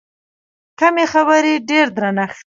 کمې خبرې، ډېر درنښت.